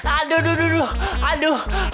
aduh duduh aduh